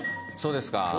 そうですか。